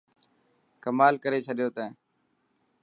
ڪمال ڪري ڇڏيو تين.